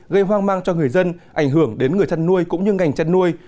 gây hoang mang cho người dân ảnh hưởng đến người chăn nuôi cũng như ngành chăn nuôi